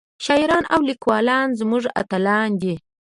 شاعران او ليکوال زمونږ اتلان دي